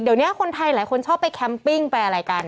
เดี๋ยวนี้คนไทยหลายคนชอบไปแคมปิ้งไปอะไรกัน